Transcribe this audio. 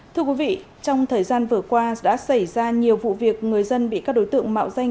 thưa quý vị trong thời gian vừa qua đã xảy ra nhiều vụ việc người dân bị các đối tượng mạo danh